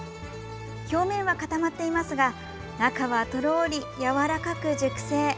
表面は固まっていますが中はトロリやわらかく熟成。